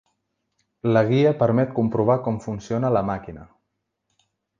La guia permet comprovar com funciona la màquina.